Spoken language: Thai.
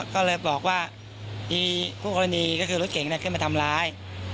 ก็เลยบอกว่าพรรถเก่งมามาทำล้าย